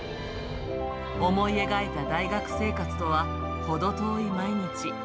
思い描いた大学生活とは程遠い毎日。